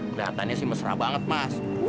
kelihatannya sih mesra banget mas